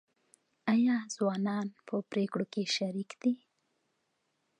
آیا ځوانان په پریکړو کې شریک دي؟